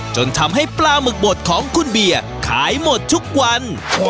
จนทำให้ปลาหมึกบดของคุณเบียร์ขายหมดทุกวัน